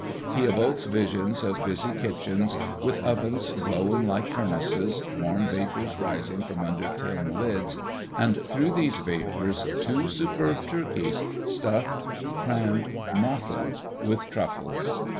He evokes visions of busy kitchens, with ovens glowing like furnaces, warm vapors rising from under tin lids, and through these vapors, two superb turkeys, stuffed, crammed, mottled with truffles.